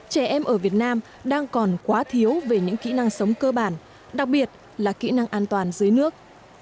trẻ em ở việt nam đang còn quá thiếu về những kỹ năng sống cơ bản đặc biệt là kỹ năng an toàn dưới nước